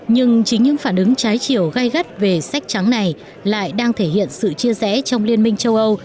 nhưng chính những phản ứng trái chiều gai gắt về sách trắng này lại đang thể hiện sự chia rẽ trong liên minh châu âu